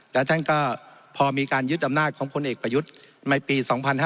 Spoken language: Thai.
และท่านก็พอมีการยึดอำนาจของพลเอกประยุทธ์ในปี๒๕๕๙